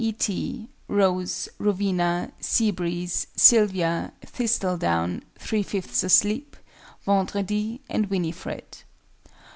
E. T., ROSE, ROWENA, SEA BREEZE, SYLVIA, THISTLEDOWN, THREE FIFTHS ASLEEP, VENDREDI, and WINIFRED.